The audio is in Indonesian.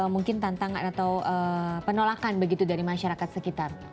mungkin tantangan atau penolakan begitu dari masyarakat sekitar